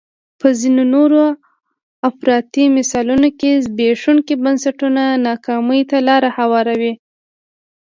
په ځینو نورو افراطي مثالونو کې زبېښونکي بنسټونه ناکامۍ ته لار هواروي.